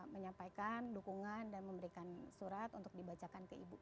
menyampaikan dukungan dan memberikan surat untuk dibacakan ke ibu